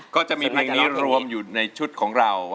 ก็จะมีเพลงนี้รวมอยู่ในชุดของเรา